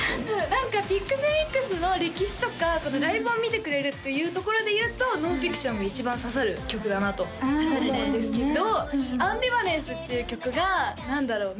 何かＰｉＸＭｉＸの歴史とかあとライブを見てくれるというところでいうと「ノンフィクション」が一番刺さる曲だなと思うんですけど「アンビバレンス」っていう曲が何だろう？